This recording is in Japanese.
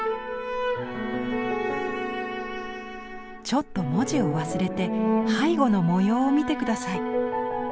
ちょっと文字を忘れて背後の模様を見て下さい。